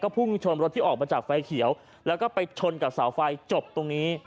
พุ่งชนรถที่ออกมาจากไฟเขียวแล้วก็ไปชนกับเสาไฟจบตรงนี้